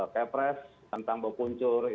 kefres tentang bau puncur